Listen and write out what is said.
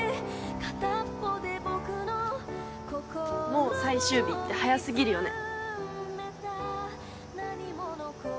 もう最終日って早過ぎるよね。